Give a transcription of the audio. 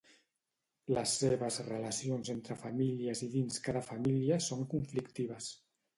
Les seves relacions entre famílies i dins cada família són conflictives.